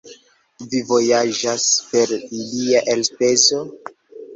Vi vojaĝas per ilia elspezo?